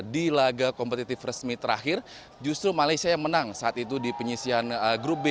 di laga kompetitif resmi terakhir justru malaysia yang menang saat itu di penyisian grup b